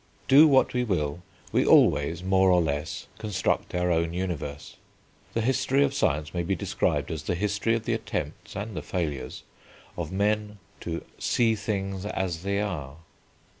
Do what we will, we always, more or less, construct our own universe. The history of science may be described as the history of the attempts, and the failures, of men "to see things as they are."